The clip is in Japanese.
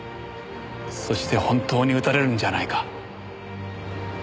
そして本当に撃たれるんじゃないか。